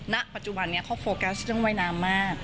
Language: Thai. ณปัจจุบันนี้เขาโฟกัสเรื่องว่ายน้ำมาก